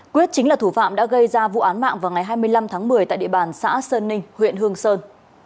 quyết chính là thủ phạm đã gây ra vụ án mạng vào ngày hai mươi năm tháng một mươi tại địa bàn xã sơn ninh huyện hương sơn